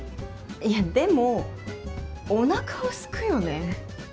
いやでもお腹はすくよね。